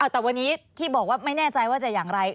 แต่วันนี้ที่บอกว่าไม่แน่ใจว่าจะอย่างไร